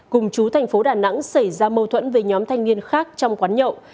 cùng chú tp đà nẵng xảy ra mâu thuẫn về nhóm thanh niên khác trong quán nhậu